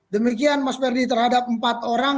demikian mas ferdi terhadap empat orang